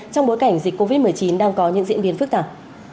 trong bối cảnh dịch covid một mươi chín đang có những diễn biến phức tạp